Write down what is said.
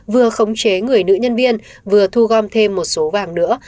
vừa khống chế người nữ nhân viên vừa thu gom thêm một số vàng nữa